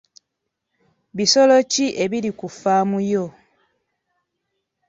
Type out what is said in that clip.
Bisolo ki ebiri ku ffaamu yo?